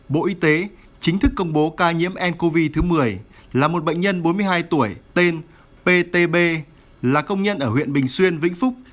bộ y tế chính thức công bố ca nhiễm ncov thứ một mươi là một bệnh nhân bốn mươi hai tuổi tên ptb là công nhân ở huyện bình xuyên vĩnh phúc